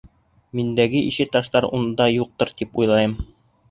Миндәге ише таштар унда юҡтыр, тип уйлайым.